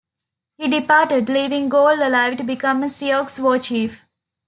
He departed, leaving Gall alive to become a Sioux war chief.